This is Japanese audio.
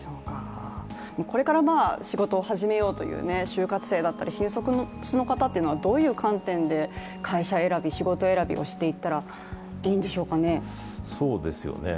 これから、仕事を始めようという就活生だったり、新卒の方というのはどういう観点で会社選び、仕事選びをしていったらいいんでしょうかね？